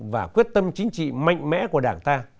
và quyết tâm chính trị mạnh mẽ của đảng ta